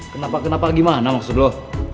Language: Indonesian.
kenapa kenapa gimana maksud lo